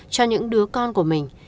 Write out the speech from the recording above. cho những đứa con của mình